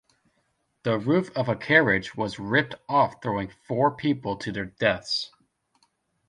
The roof of a carriage was ripped off throwing four people to their deaths.